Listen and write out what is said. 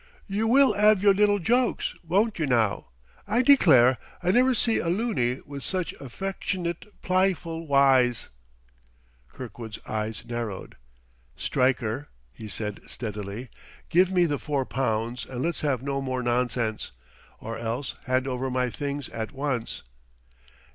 "You will 'ave yer little joke, won't you now? I declare I never see a loony with such affecsh'nit, pl'yful wyes!" Kirkwood's eyes narrowed. "Stryker," he said steadily, "give me the four pounds and let's have no more nonsense; or else hand over my things at once."